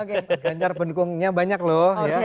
mas ganjar pendukungnya banyak loh